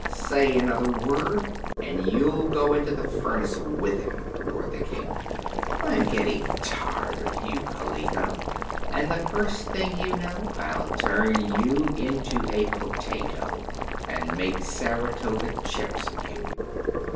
"Say another word, and you'll go into the furnace with him!" roared the King. "I'm getting tired of you, Kaliko, and the first thing you know I'll turn you into a potato and make Saratoga chips of you!